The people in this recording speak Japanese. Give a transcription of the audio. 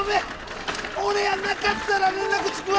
俺やなかったら連絡つくわ！